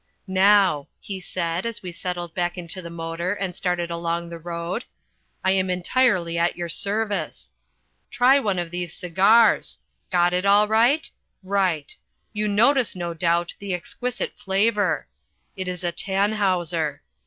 "Now," he said as we settled back into the motor and started along the road, "I am entirely at your service. Try one of these cigars! Got it alight? Right! You notice, no doubt, the exquisite flavour. It is a Tannhauser.